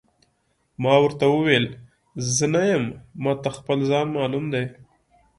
ما ورته وویل: زه نه یم، ما ته خپل ځان معلوم دی.